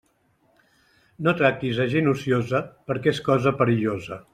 No tractis a gent ociosa, perquè és cosa perillosa.